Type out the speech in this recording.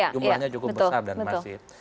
jumlahnya cukup besar dan masif